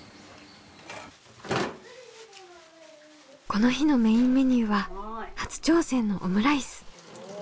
この日のメインメニューは初挑戦のオムライス。